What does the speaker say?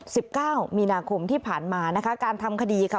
สิบเก้ามีนาคมที่ผ่านมานะคะการทำคดีค่ะ